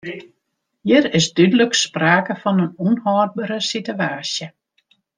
Hjir is dúdlik sprake fan in ûnhâldbere sitewaasje.